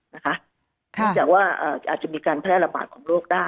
ไม่ใช่ว่าอาจจะมีการแพร่ระบาดของโลกได้